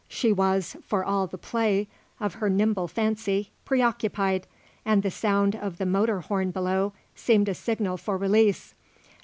She was, for all the play of her nimble fancy, preoccupied, and the sound of the motor horn below seemed a signal for release.